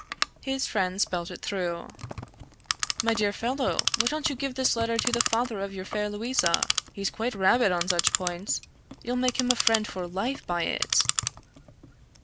His friend spelt it through. "My dear fellow, why don't you give this letter to the father of your fair Louisa; he's quite rabid on such points; you'll make him a friend for life by it!"